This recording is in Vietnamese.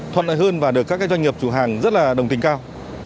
thuận lợi hơn và được các doanh nghiệp chủ hàng rất là đồng tình cao